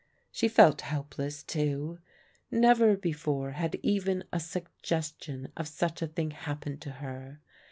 She felt helpless, too. Never before had even a sug gestion of such a thing happened to her.